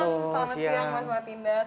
selamat siang mas matindas